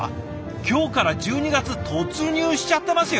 今日から１２月突入しちゃってますよ。